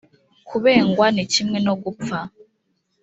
kubengwa ni kimwe no gupfa